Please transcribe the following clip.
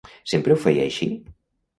Sempre ho feia així?